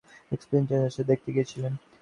Express train যাচ্ছে, দেখতে গিয়েছিলাম।